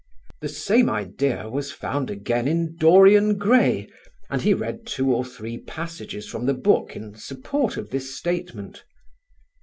The same idea was found again in "Dorian Gray," and he read two or three passages from the book in support of this statement.